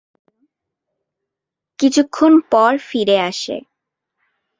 কিছুক্ষণ পর ফিরে আসে।